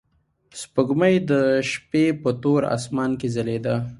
سپوږمۍ د شپې په تور اسمان کې ځلېده.